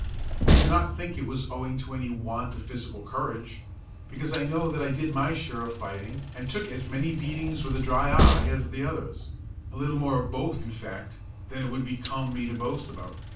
I do not think it was owing to any want of physical courage; because I know that I did my share of fighting and took as many beatings with a dry eye as the others; a little more of both, in fact, than it would become me to boast about.